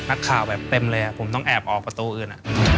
แบบเต็มเลยผมต้องแอบออกประตูอื่น